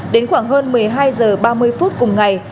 đến khoảng hơn một mươi hai h ba mươi phút cùng ngày